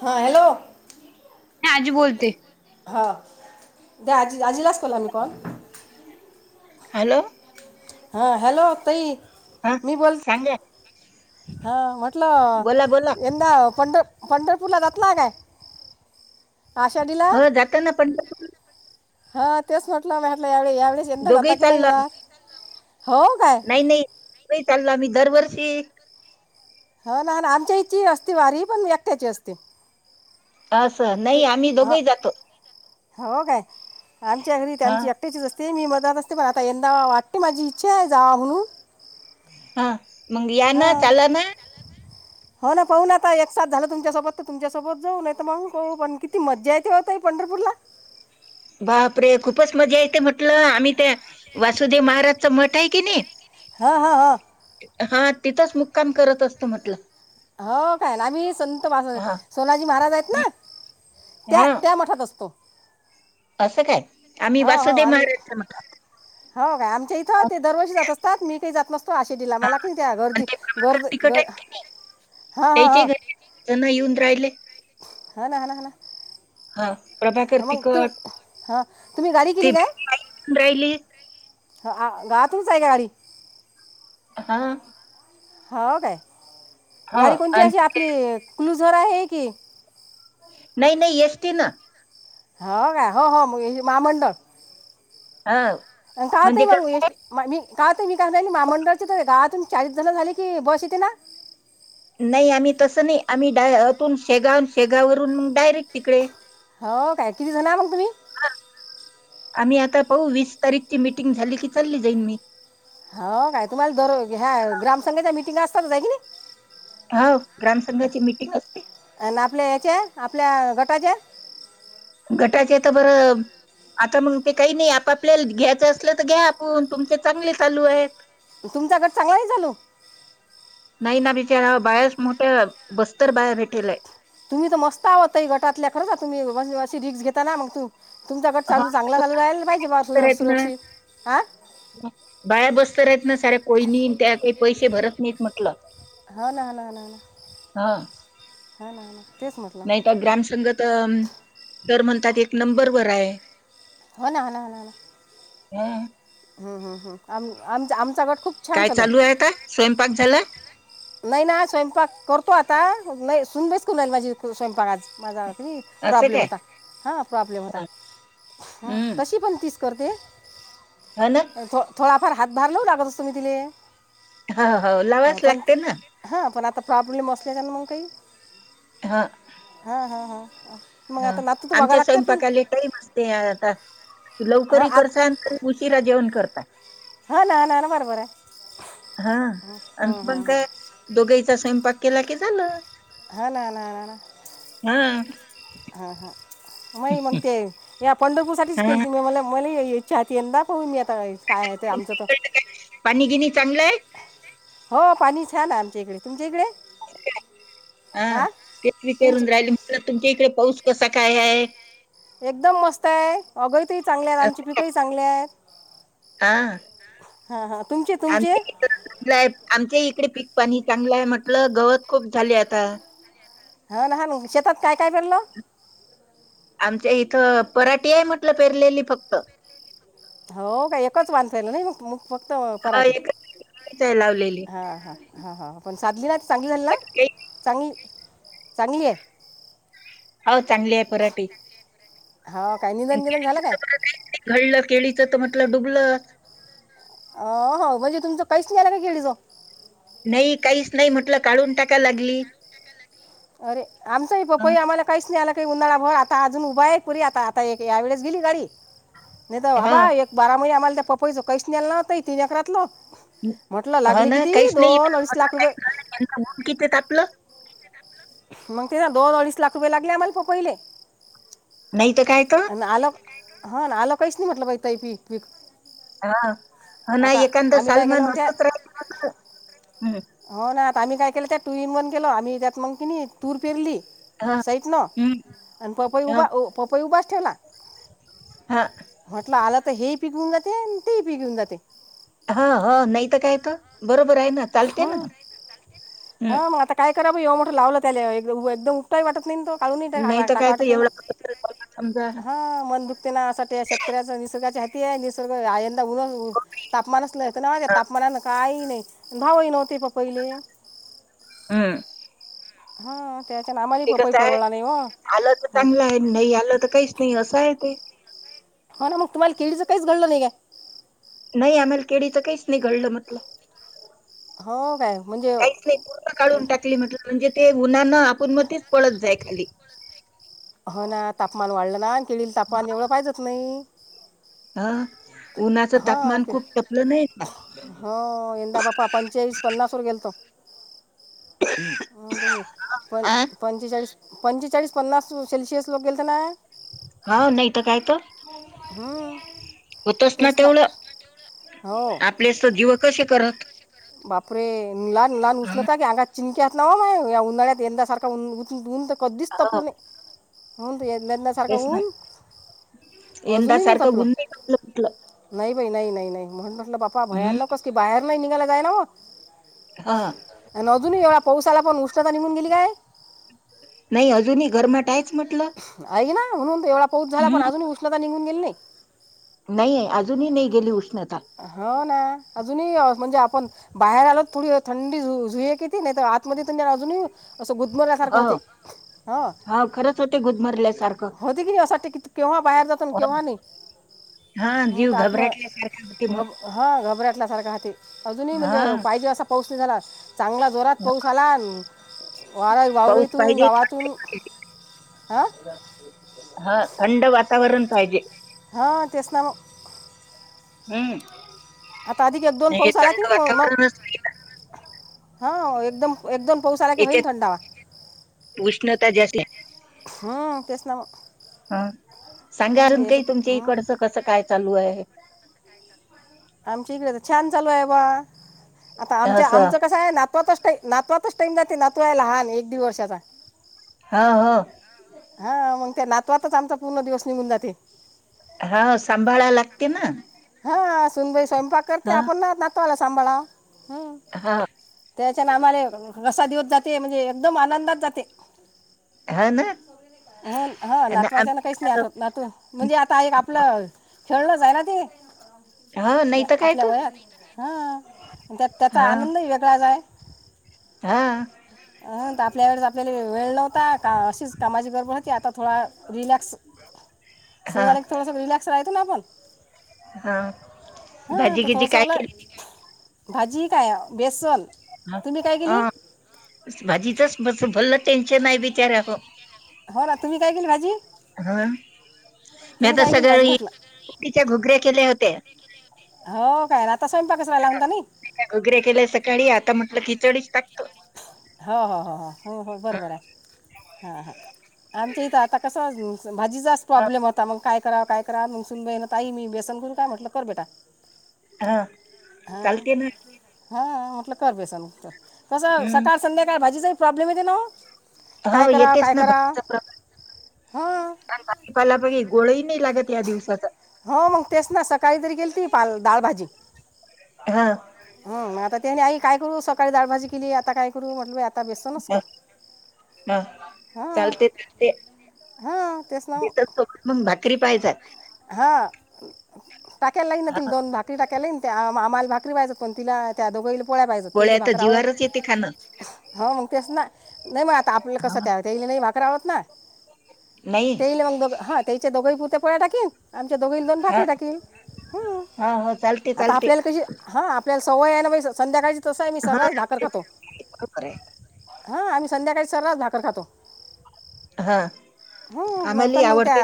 हा हॅलो. ह आजी बोलते. ह दे आजी आजी लाज कलम्ही कण हॅलो. हा हॅलो तई हा सांगा. ह म्हटलं बोला बोला एंद पण पंढरपूरला जातला काय? आषाढीला हो जाताना पण हा तेच म्हटलं म म्हटलं यावेेळेस यंदा जाता दोघेही की नाही चाललो आम्ही ना. नाही नाहीही चाललंमी दरवर्षी ह ना ना आमच्या हची असते वारी पण एकट्याची असते. असं नाही आम्ही हो दोघंही जातो. हो काय आमच्या घरी हा त्यांची एकट्याचीच.. ते मी मदत असते पण आता यंदा वाटते माझी इच्छा आहे जा म्हणून... हा मग या ना हां चाला ना. हो ना पाह ना आता एक साथ झालं तुमच्यासोबत तर तुमच्यासोबत जाऊन य मगून पाू पण किती मजा येत होते पण.. बोला. बाप रे खूपच मजा येते म्हटलं आम्ही त्या वासुदेव महाराजचा मठ आहे की नाही. हा हा हा. हा तिथंच मुक्काम करत असतं म्हटलं. हो काय आम्ही संत हा सोनाजी महाराज आहेत ना! हा त्या त्या मठात असतो. असं काय? आम्ही हो हो वासुदेव आम्ही महाराजचं मठ हो काय आमच्या इथं ते दरवर्षी जात असतात मी काही जात नसतो. ो आशे डिला हा मला के त्या गर्दी गर्दी.. त्यायचे घर जना येऊन राहिले. हा ना हाणा हा. हा. प्रभाकर मग तु तिकट हा तुम्ही गाडी ते केली काय? [unintelligible] ह गा तुमच आहे का गाडी? हा. हो काय हो गाडी कोणची अशी आपली क्लूज वर आहे की... नाही नाही येसटी ना.. हो का हो हो महामंडळ. हा [unintelligible] [unintelligible] म्हणजे कसं महामंडळाची तर गावातून चाळीस जण झाले की बस येते ना! आहे नाही आम्ही तसं नाही आम्ही अतून शेगाव शेगाववरून डायरेक्ट तिकडे. हो काय कती जणा मग तुम्ही. हा आम्ही आता पाहू वीस तारीखची मीटिंग झाली की चालली जाईन मी. हो काय तुम्हाला दर ह्या ग्राम संंघाच्या मीटिंग असतात जा नी. हो ग्रामसंघाची मीटिंग असते आणि आपल्या याच्या आपल्याट कज्या. घटाचे तर पर. आता मग ते काही नाही आपपल्याला घ्यायचं असलं तर घ्या आपण तुमचे चांगले चालू आहेत.. तुमचा गट चांगला नाही झालो. नाही ना बिचारा बायास मोठ्या बस्तर बाहेर भेटेलय. तुम्ही तर मस् आहोतही गटातल्या खरंच तुम्ही अशी रिक्स घेता ना मग तू... तुमच्याकड हो, चालू चांगला चालू राहील पाहिजे बस्तर म आहेत ना सुरक्षित हा. बाया बसत राहत ना साऱ्या कोई नाही त्या काही पैसे भरत नाहीत म्हटलं. हा ना ह ना ह ना हं ह ना तेच म्हटलं. नाही तर ग्रामसंघ तर तर म्हणतात एक नंबरवरर आहे. हो ना होणा होणा होणा हं हम्म हम् हम् आम आमचा गड. काय चालू आहे आ का स्वयंपाक झाला? नाही ना स्वयंपाक करतो आता नाही सुन बाईच करून राहील माझी स्वयंपाक आज माझा. त असं प्रॉब्लेम काय होता हां प्रॉब्लेम होता हा. ह तशी पण तीस करते. ह ना. थो थोडाफार हातभार लावऊ लागत असतो मी तिले. ह हो लावाच पण लागते ती- ना. हां पण आता प्रॉब्लेम असल्या कारण मग काही हां हां हां मग हा आता नातू तर बघावं आमच्या लागते स्वयंपाकाले आपल्याला टाईम असते आता तू हां लवकर आत करसाय तरी उशीरा जेवण करताय हा ना ना बरोबर आहे हा आणि पण काय दोघाईचा स्वयंपाक केला की झालं हा ना ना ना हं हा हा म मग ते या पंढरपूर साठीच हं केलेत मी म्हंटले मले इच्छा हो ना ब मी आता काय ते आमचं तर चांगलंय हो पाणी छान आहे आमच्या इकडे तुमच्या इकडे हा तेच तुमची विचारून राहिले तुमच्या इकडे पाऊस कस काय आहे एकदम मस्त आहे अगयतही चांगल्या आहेत आमची असं. पिकही चांगले आहेत हा हा हा आमच्या इथ आमच्या इकडे पीक पाणी चांगलं आहे म्हटलं गवत खूप झाले आता. हा न ह शेतात काय काय पेरल? आमच्या इथं पराठी आहे म्हटलं पेरलेली फक्त. हो काय एकच वासांयला नाही मग फक्त हा पराठे एकच आहे लावलेली हा ह ह ह पण साधली ना चांगली झालं ना बाकी काही चांगली चांगली आहे हो चांगली आहे पराठीे हो काय निधन निधन झालं केळीच काय ब काही नाही घडलं केळीच तर म्हटलं डुबलं अ हो म्हणजे तुमचं पैस नाहीयला का केळीच नाही काहीच नाही म्हटलं काढून टाकाय लागली अरे आमचा इ हं, पपई आम्हाला काहीच नाहीला काही उन्हाळा भर आता अजून उभा आहे पुरी आता आता एक यावेेळेस गेली गाडी नाही तर हा बाबा एक बारा महिने आम्हाला त्या पपईच काहीस नेला नव्हत तीन एकरातलं म्हटलं हो लागली ना किती काहीच नाही दोन अडीच म्हटलं लाख रुपये काहीच झालं नाही. ऊन किती तापलं मग तेना दोन अडीस लाख रुपये लागले आम्हाला पपई ले नाहीत काय तर हा ना आलं काहीच नाही म्हटलंब येतय पीक पीक ह ह ना आता एखादा आम्ही काय केलं सलमान मग त्या असच राहि हो ना आता आम्ही काय केले त्यात टू इन वन केलं आम्ही त्यात तुर पेरली हां. साईट न हं. आणि पपई हां. पपई उबास ठेवला हां. म्हटलं आलं तर हे पिकवून जाते आणि ते पिकऊन जाते हा हा नाही तर काय तर बरोबर आहे ना चालते ह ना. हं. हा मग आता काय कराव ये लावलं त्याला एकदम उठटाही वाटत नाही तो काढून टाका नाही तर काय वाटत तर नाही ना. एवढा समजा हा मन दुखते ना अस शेतकऱ्याचा निसर्गाच्या. निसर्ग यंदा उन तापमानच नाही तापमानान काही नाही. दहा महिन होते पपई ले. हं. हा. ते कसं आहे आलं तर हां चांगलं आहे नाही आलं तर काहीच नाही असं आहे ते. हो ना मग तुम्हाला केळीचं काहीच घडलं नाही का. नाही आम्हाल केळीचं काहीच नाही घडलं म्हटलं. हो काय म्हणजे काहीच नाही पूर्ण ए, काढून टाकली म्हटल म्हणजे. ते उनान आपण मग तेच पडत जाइ खाली. हो ना तापमान वाढलं ना आणि केळी तापमान एवढं पाहिजच नाही. हा. उन्हाचं हां तापमान के खूप तपलं नाही का. हो यंदा बापा हो प आ? पंचेचाळीस. पंचेचाळीस पन्नास सेल्सिअस लोक गेले तर ना. हा नाही तर काय तर हं, होतच ना तेवढं. हो आपलेस जीव कसे करत. बापरे ललाान लहान उष्णता क अंगा. चिंक्यात नावा मा या उन्हाळ्यात यंदा सारखा उन उत उऊन तर कधीच हो तपलं नाही होऊन. ल्ण्यासारखा तेच ना ऊन यंदा अजूनही नाही सारखं तपलं. गुण नाही घटलं म्हटलं नाही बाई नाही नाही नाही म्हण म्हटलं बा्पा हम्म भयानकस की बाहेर नाही निघाला जाय ना मग. हा पाौसाला पण उष्णता निघून गेली काय. जुनी घर म टाय. आहे ना म्हणून एवढा पाऊच झाला पण हम्म अजूनही उष्णता निघून गेली नाही. नाही अजूनही नाही गेली उष्णता. हो ना. अजून म्हणजे आपण बाहेर आलो थोडी थंडी झुय किती नाही तर आतमध्ये अजून. असं गुदमरगसारखं हो होते हा. खरंच होते गुदमरल्यासारखं होती की नाही यासाठी क केव्हा बाहेर जातो हो, केव्हा नाही. हा म्हणून जीव तर आत्म घबराटल्यासारखा. होते मग घब हा घबरटल्या सारखा हाती अजूनही हा म्हणजे पाहिजे असा पाऊस नाही झाला चांगला जोरात. पाऊस आला वार पाऊस वावरतून पाहिजे गावातून. आा. हा थंड वातावरण पाहिजे. हा तेच ना म. हम्. आता अधिक दोन पाऊस आला की नाही मग. नाही ना. हा एकदम एकदम पाऊसाला का होईन याच्यात थंडावा. उष्णता जसे. हम्म तेसनामा. हा सांगा अून काही तुमच्या हं. इकडच कस काय चालू आहे. आमच्या इकडे छान चालू आहे बा आता आमच्या असं आमचं कस आहे ना आ. नाच नातवातच टाइम जाते नातवायला लहान एक दीड वर्ाचा. हा हा. हा मग त्या नातवातच आमचा पूर्ण दिवस निघून जाते. हा सांभाळाय लागते ना. हा सुनबाई स्वयंपाक करते ह आपण ना नको आला सांभाळा हम. हा त्याच्या ना आमला रसा दिऊत जाते म्हणजे एकदम आनंदात जाते. हा ना. हो हा आम नातवाच्या ना काहीच नाही आव नात म्हणजे आता एक आपलं. खेळलं जाय ना ते हा नाही तर काय आपल्या तो वयात हा त्या त्याचा हा आनंदही वेगळाच आहे हा अ आपल्यावर आपल्याला वेळ नव्हता का अशीच कामाची गडबड होती आता थोडा रिलॅक्स सुर हा आला क थोडंसं रिलॅक्स राहतं ना आपण हा हां तर भाजीगिजी थोडंसं काय ओलं के भाजी काय बेसन तुम्ही काय हा केली भाजी तरच भलं टेन्शन आहे बीचारक [unintelligible] [inaudible] हो ना तुम्ही काय केलं भाजी ह मी तुम्ही आता काय केली भाजी म्हटलं सगळीच्या घुगऱ्या केले होते [unintelligible] [unintelligible] हो काय ना आता स्वयंपाकचवाय लावता नाही [unintelligible] गाडी आता म्हटलं किचडीच टाकतो [inaudible] [unintelligible] हो हो हो हो हो हो बरोबर आहे हां हां आमच्या इथं आता कसं भाजीचाच प्रॉब्लेम होता मग [unintelligible] [inaudible] काय करा काय करा मग सुून बन तई मी वेसन करुरून काय म्हटलं कर बेटा [unintelligible] [unintelligible] हा [unintelligible] [inaudible] हा हा म्हटलं कर बेस तर कस हम् सकाळ संध्याकाळ भाजी जा प्रॉब्लेम येत ना काय हो करावं येतेच काय ना करावं भाज प्रमा हां कार भाजीपाला प गोळ [unintelligible] [unintelligible] हो मग तेच ना सकाळी तरी गेल त [unintelligible] [unintelligible] ाळभजी हा आता त्यानी आई काय करू [unintelligible] सकाळी डाळभजी केली आता काय करू म्हटलं आता बेसनच हा कर [inaudible] [unintelligible] हा हां चालते चालते हां तेच [unintelligible] दिसत सोत मग भाकरी पाहिजात [unintelligible] [unintelligible] हा टाक्या लाईनतील दोन भाकरी टाक्या लाईन [unintelligible] [unintelligible] आम्हाला भाकरी पाहिज पण तिला त्या दोघईली पोळ्या पाहिजेत ति पोळ्या तर भाकरी आवत [unintelligible] जीवारच येते खाणं [unintelligible] हो मग तेच ना नाही मग आता आपलं कसं हा, त्यावत नाही भाकरा आवत ना [unintelligible] [unintelligible] नाही तेल मग दो हा तेलचे दोघंही पुरते पोळ टा क आमच्या दोघ दोन हा भाकरी टाकल ह हा हो चालते आता चालते आपल्याला कशी हा आपल्याला सवय ना संध्याकाळ तस आहे मी हा सर्ास भाकर खातो बरोबर आहे हा आम्ही संध्याकाळी [unintelligible] [unintelligible] सरस झााकरल खातो [unintelligible] [unintelligible] हा हो [unintelligible] [inaudible] मग पण आम्हाला मग त्या आवडते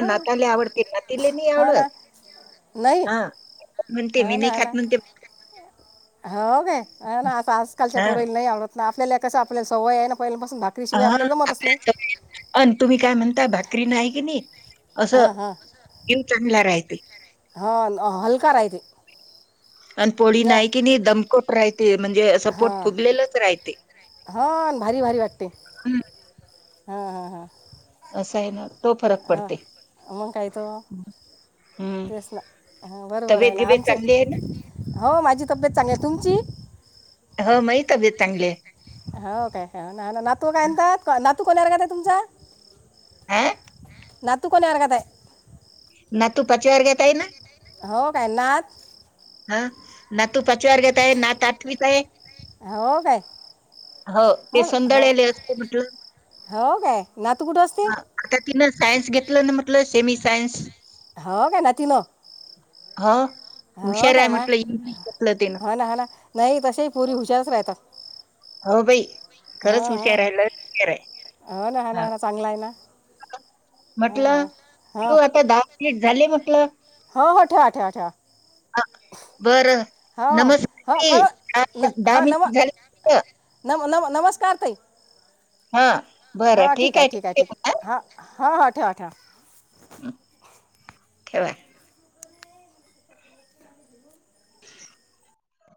हो आवडते नातीला हो ना आवडत नाही [unintelligible] [inaudible] हा म्हणते मी नाही ना हो ना खात म्हणते [unintelligible] हो गे ना आता आजकालच्या हा पुरेला नाही आवडत ना आपल्याला कस आपल्याला सवय आहे ना पहि म [unintelligible] [inaudible] [unintelligible] हा अ तुम्ही काय म्हणता भाकरी नाही की नाही [unintelligible] [unintelligible] [unintelligible] असं हां हां हीव चांगला राहते हो हलका राहते [unintelligible] आणि पोळी या नाही कि नाही दमकोट राहते म्हणजे सपोट फुगलेलंच राहते [inaudible] [unintelligible] हा भारी भारी वाटते [unintelligible] [unintelligible] हं, हा हा ह असं आहे ना [unintelligible] [inaudible] हा पडते म मग काही तो हं. तेच ना बरोबर तब्येत आहे ना गिबेत आमचे चांगली आहे हो माझी तब्येत चांगली तुमची [unintelligible] [inaudible] ह माही तबीेत चांगली [unintelligible] [inaudible] हो काय हो ना ना नातू काय म्हणतात नातू कोल्यार का तुमचा [unintelligible] हा नातकणी आरगत [inaudible] [unintelligible] ना तू पच ववर घेताय ना [inaudible] [unintelligible] हो काय नात हा ना तू पाचारगेत आहे ना त आठवीत आहे हो गय हो ते संदळले असते म्हटलं हो काय नातू कुठ अस असते हा, आता तिनं सायन्स घेतलं ना म्हटलं सेमी सायन्स हो घ ना तिन हा हो काय म तिनं हा ना हा ना नाही तसे पुरी हुशारच राहतात हो भाई खरंच हां हां हुशार आहे लच हुशार हो ना हो ना आहे ह हो ना चांगला आहे ना हां म्हटलं हां हां तू आता दहा मिनिट झाले म्हटलं हो हो ठेवा ठेवा- ह बरं, हो हो हो कर न नमस्कार दहा हां नम मिनिट झाले नम नम नमस्कार ताई, हा, हा ठीक आहे ठीक आहे ठी हा हा हा ठेवा ठेव ठेवा,